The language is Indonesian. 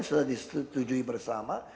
sudah ditujui bersama